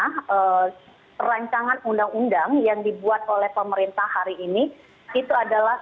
karena rancangan undang undang yang dibuat oleh pemerintah hari ini itu adalah